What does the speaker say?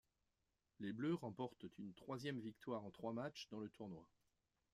Les Bleus remportent une troisième victoire en trois matchs dans le tournoi.